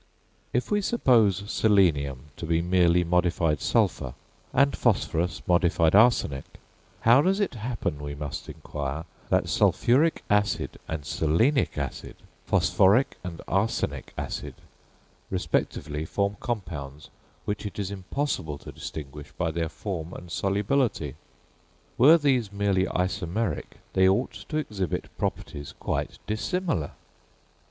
If we suppose selenium to be merely modified sulphur, and phosphorus modified arsenic, how does it happen, we must inquire, that sulphuric acid and selenic acid, phosphoric and arsenic acid, respectively form compounds which it is impossible to distinguish by their form and solubility? Were these merely isomeric, they ought to exhibit properties quite dissimilar!